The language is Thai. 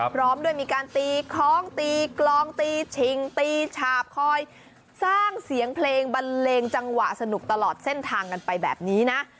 พร้อมด้วยมีการตีคล้องตีกลองตีชิงตีฉาบคอยสร้างเสียงเพลงบันเลงจังหวะสนุกตลอดเส้นทางกันไปแบบนี้นะ